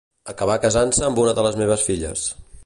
Acabà casant-se amb una de les meves filles.